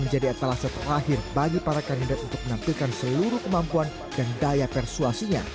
menjadi etalase terakhir bagi para kandidat untuk menampilkan seluruh kemampuan dan daya persuasinya